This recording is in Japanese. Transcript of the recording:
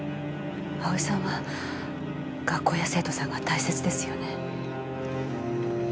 葵さんは学校や生徒さんが大切ですよね？